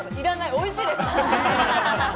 おいしいです。